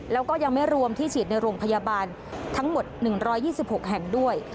แล้วก็ยังไม่รวมที่ฉีดในโรงพยาบาลทั้งหมด๑๒๖แห่งด้วย